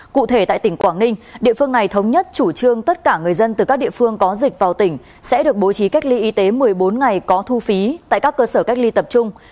cụ thể tại tỉnh quảng ninh địa phương này thống nhất chủ trương tất cả người dân từ các địa phương có dịch vào tỉnh sẽ được bố trí cách ly y tế một mươi bốn ngày có thu phí tại các cơ sở cách ly tập trung